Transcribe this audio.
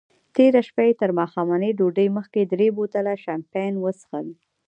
تېره شپه یې تر ماښامنۍ ډوډۍ مخکې درې بوتله شیمپین وڅیښل.